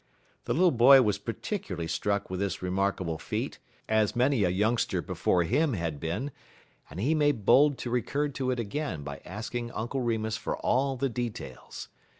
The little boy was particularly struck with this remarkable feat, as many a youngster before him had been, and he made bold to recur to it again by asking Uncle Remus for all the details.